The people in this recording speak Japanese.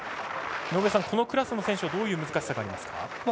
井上さん、このクラスの選手はどういう難しさがありますか。